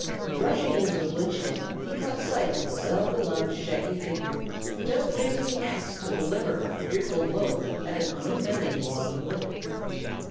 Rushing into the wood shed, he caught sight of the well beloved shaggy figure, just raising the axe to deliver a fearful blow at an unoffending log of wood.